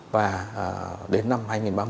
và đến năm hai nghìn ba mươi